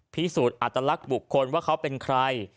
พิสูจน์อัตลักษณ์บุคคลว่าเขาเป็นใคร